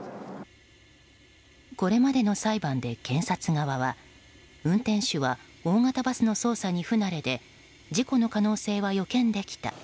これまでの裁判で、検察側は運転手は大型バスの操作に不慣れで事故の可能性は予見できた。